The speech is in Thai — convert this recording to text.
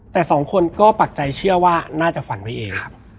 แต่สองคนก็ปักใจเชื่อว่าน่าจะฝันไว้เองครับ